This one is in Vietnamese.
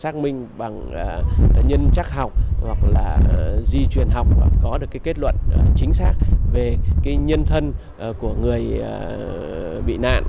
xác minh bằng nhân chắc học hoặc là di truyền học hoặc có được cái kết luận chính xác về cái nhân thân của người bị nạn